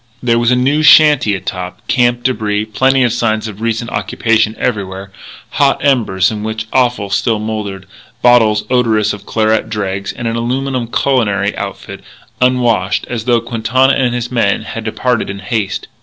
There was a new shanty atop, camp débris, plenty of signs of recent occupation everywhere, hot embers in which offal still smouldered, bottles odorous of claret dregs, and an aluminum culinary outfit, unwashed, as though Quintana and his men had departed in haste.